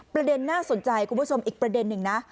ประเด็นน่าสนใจคุณผู้ชมอีกประเด็นนึงนะ